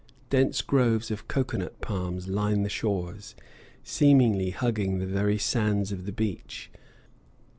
Dense groves of cocoa nut palms line the shores, seemingly hugging the very sands of the beach.